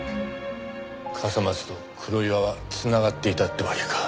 笠松と黒岩は繋がっていたってわけか。